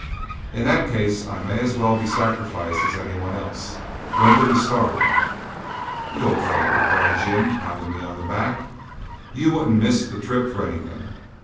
"In that case, I may as well be sacrificed as anyone else. When do we start?" "You old faker!" cried Jim, pounding me on the back. "You wouldn't miss the trip for anything.